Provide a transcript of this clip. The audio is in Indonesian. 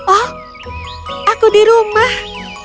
oh aku di rumah